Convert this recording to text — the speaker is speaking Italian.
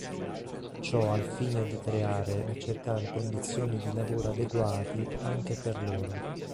Ciò al fine di creare e cercare condizioni di lavoro adeguati anche per loro.